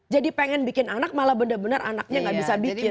jadi pengen bikin anak malah benar benar anaknya nggak bisa bikin